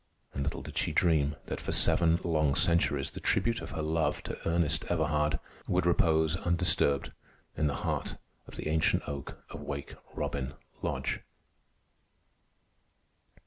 And little did she dream that for seven long centuries the tribute of her love to Ernest Everhard would repose undisturbed in the heart of the ancient oak of Wake Robin Lodge.